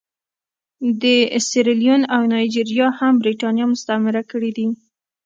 خو سیریلیون او نایجیریا هم برېټانیا مستعمره کړي دي.